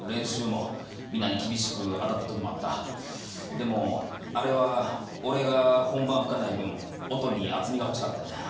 でもあれは俺が本番吹かない分音に厚みが欲しかったんや。